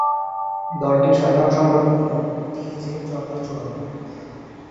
দলটির সাধারণ সম্পাদক হলেন টি জে চন্দ্রচূড়ন।